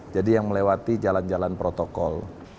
jadi yang melewati jalan jalan protokol